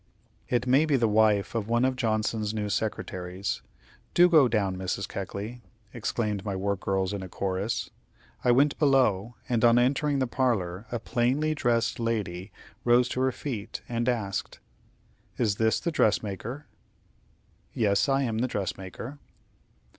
"It may be the wife of one of Johnson's new secretaries. Do go down, Mrs. Keckley," exclaimed my work girls in a chorus. I went below, and on entering the parlor, a plainly dressed lady rose to her feet, and asked: "Is this the dressmaker?" "Yes, I am a dressmaker."